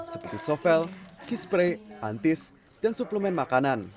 seperti sovel kispray antis dan suplemen makanan